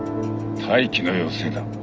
待機の要請だ。